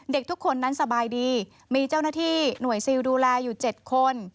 เด็กทุกคนนั้นสบายดีมีเจ้าหน้าที่หน่วยซิลดูแลอยู่๗คน